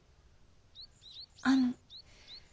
あの。